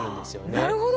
なるほど。